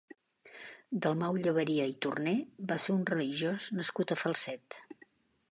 Dalmau Llebaria i Torné va ser un religiós nascut a Falset.